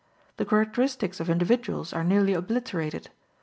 The characteristics of individuals are nearly obliterated.